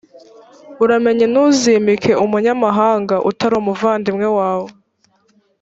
uramenye ntuzimike umunyamahanga utari umuvandimwe wawe.